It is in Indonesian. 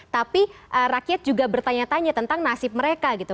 tapi rakyat juga bertanya tanya tentang nasib mereka gitu